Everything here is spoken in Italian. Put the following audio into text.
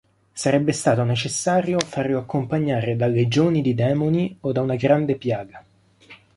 Sarebbe stato necessario farlo accompagnare da legioni di demoni o da una grande piaga.